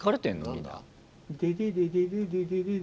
何だ？